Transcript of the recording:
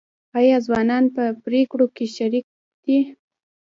آیا ځوانان په پریکړو کې شریک دي؟